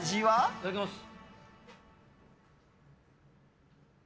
いただきます。